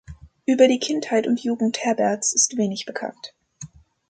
Über die Kindheit und Jugend Herberts ist wenig bekannt.